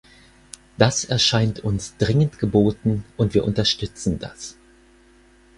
Das erscheint uns dringend geboten, und wir unterstützen das.